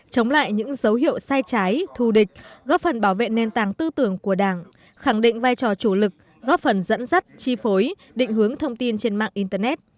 chống lại những dấu hiệu sai trái thù địch góp phần bảo vệ nền tảng tư tưởng của đảng khẳng định vai trò chủ lực góp phần dẫn dắt chi phối định hướng thông tin trên mạng internet